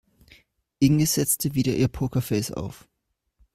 Inge setzte wieder ihr Pokerface auf.